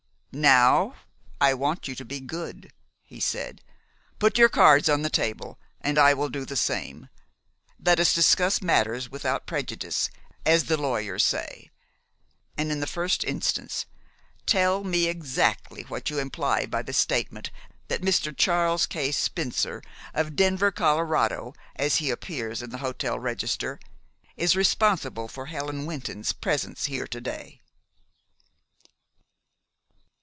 "Now, I want you to be good," he said. "Put your cards on the table, and I will do the same. Let us discuss matters without prejudice, as the lawyers say. And, in the first instance, tell me exactly what you imply by the statement that Mr. Charles K. Spencer, of Denver, Colorado, as he appears in the hotel register, is responsible for Helen Wynton's presence here to day."